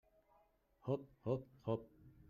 Hop, hop, hop!